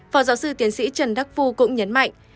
phó giáo sư tiến sĩ trần đắc phu cũng nhấn mạnh